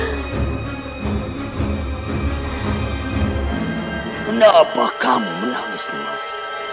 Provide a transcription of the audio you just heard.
kenapa kamu menangis nimas